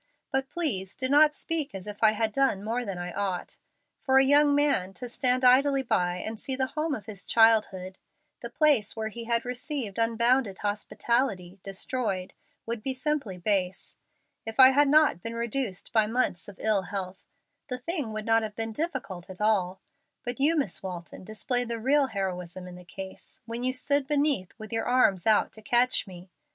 But please do not speak as if I had done more than I ought. For a young man to stand idly by, and see the home of his childhood, the place where he had received unbounded hospitality, destroyed, would be simply base. If I had not been reduced by months of ill health, the thing would not have been difficult at all. But you, Miss Walton, displayed the real heroism in the case, when you stood beneath with your arms out to catch me.